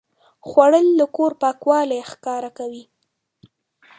خوړل د کور پاکوالی ښکاره کوي